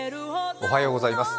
おはようございます。